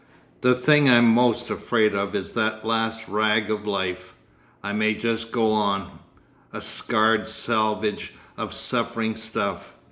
The thing I am most afraid of is that last rag of life. I may just go on—a scarred salvage of suffering stuff.